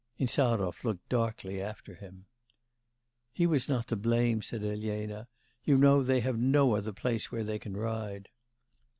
Insarov looked darkly after him. 'He was not to blame,' said Elena, 'you know, they have no other place where they can ride.